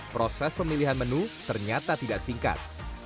proses pemilihan menu ternyata tidak singkat